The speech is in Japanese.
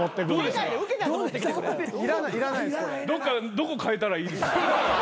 どこ変えたらいいですか？